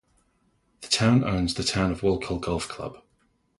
The town owns the Town of Wallkill Golf Club.